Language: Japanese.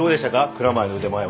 蔵前の腕前は。